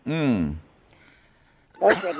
อืม